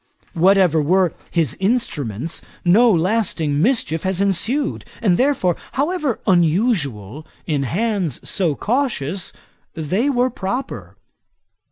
Whatever were his instruments, no lasting mischief has ensued; and therefore, however unusual, in hands so cautious they were proper.